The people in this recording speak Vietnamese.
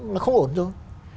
nó không ổn rồi